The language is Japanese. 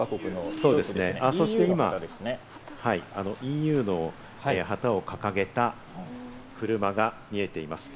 そして今、ＥＵの旗を掲げた車が見えています。